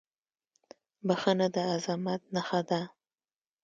• بښنه د عظمت نښه ده.